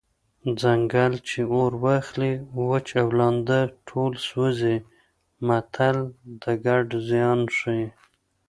ځنګل چې اور واخلي وچ او لانده ټول سوځي متل د ګډ زیان ښيي